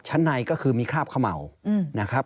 ชั้นในก็คือมีคราบเขม่านะครับ